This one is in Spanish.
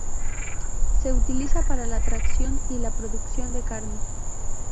Se utiliza para la tracción y la producción de carne.